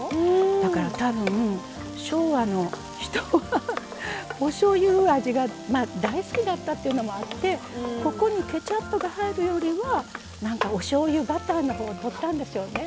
だから多分昭和の人はおしょうゆ味が大好きだったっていうのもあってここにケチャップが入るよりはなんかおしょうゆバターの方を取ったんでしょうね。